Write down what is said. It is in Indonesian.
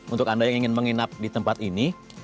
untuk anda yang ingin menginap di tempat ini